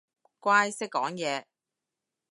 乖，識講嘢